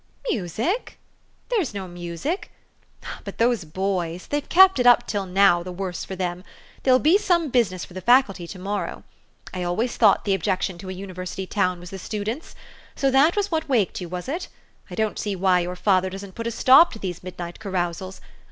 " "Music? There's no music, but tjiose boys: they've kept it up till now, the worse for them ! There'll be some business for the Faculty to morrow. I always thought the objection to a university town was the students. So that was what waked you, was it? I don't see why your father doesn't put a stop to these midnight carousals.